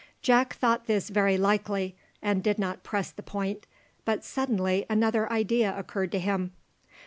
Jack thought this very likely, and did not press the point, but suddenly another idea occurred to him.